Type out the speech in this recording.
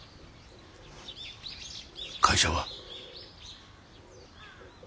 会社は？